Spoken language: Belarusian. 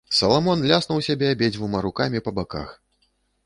Саламон ляснуў сябе абедзвюма рукамі па баках.